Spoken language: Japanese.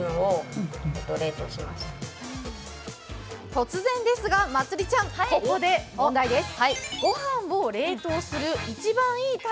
突然ですが、まつりちゃんここで問題です。